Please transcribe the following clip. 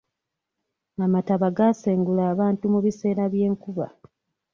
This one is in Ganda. Amataba gaasengula abantu mu biseera by'enkuba.